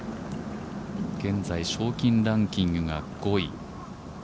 現在、賞金ランキングが５位。